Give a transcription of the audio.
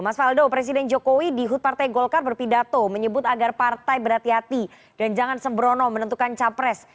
mas faldo presiden jokowi di hut partai golkar berpidato menyebut agar partai berhati hati dan jangan sembrono menentukan capres